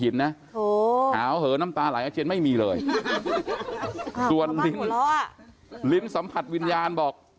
ส่วนลิ้นสัมผัสวิญญาณ